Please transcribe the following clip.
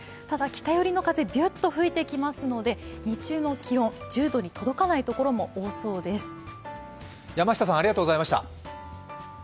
ただ北寄りの風ビュッと吹いてきますので日中の気温１０度に届かない所も多そうです。